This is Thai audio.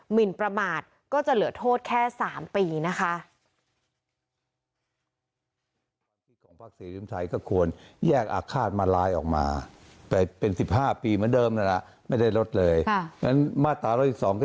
มินประมาทก็จะเหลือโทษแค่๓ปีนะคะ